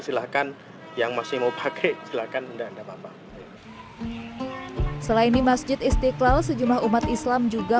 silahkan yang masih mau pakai silakan anda bapak selain di masjid istiqlal sejumlah umat islam juga